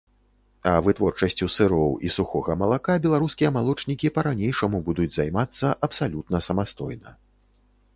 А вытворчасцю сыроў і сухога малака беларускія малочнікі па-ранейшаму будуць займацца абсалютна самастойна.